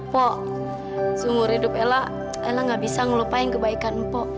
pok seumur hidup ella ella gak bisa ngelupain kebaikan mpok